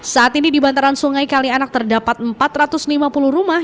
saat ini di bantaran sungai kalianak terdapat empat ratus lima puluh rumah